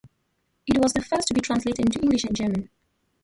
It was the first to be translated into English and German.